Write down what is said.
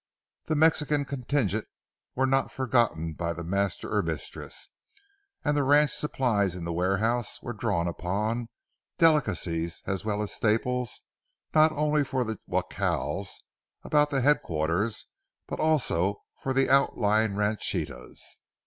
The Mexican contingent were not forgotten by master or mistress, and the ranch supplies in the warehouse were drawn upon, delicacies as well as staples, not only for the jacals about headquarters but also for the outlying ranchitas.